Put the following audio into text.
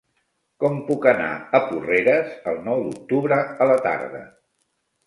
Com puc anar a Porreres el nou d'octubre a la tarda?